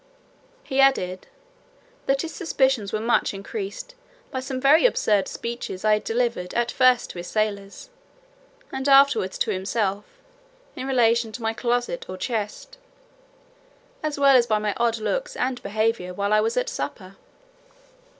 He added, "that his suspicions were much increased by some very absurd speeches I had delivered at first to his sailors, and afterwards to himself, in relation to my closet or chest, as well as by my odd looks and behaviour while I was at supper."